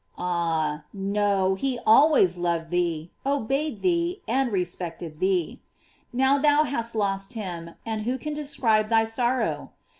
Ah, no; he always loved thee, obeyed thee and respected thee. Now thou hast lost him, and who can describe thy sorrow